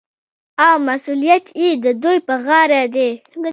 او مسوولیت یې د دوی په غاړه دی.